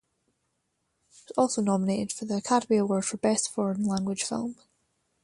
It was also nominated for the Academy Award for Best Foreign Language Film.